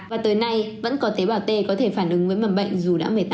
và tới nay vẫn có tế bào t có thể phản ứng với mầm bệnh dù đã một mươi tám năm trôi qua